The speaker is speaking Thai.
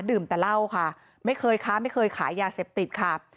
แต่เหล้าค่ะไม่เคยค้าไม่เคยขายยาเสพติดค่ะ